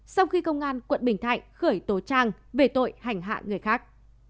sau khi công an quận bình thạnh khởi tố trang về tội hành hạ người khác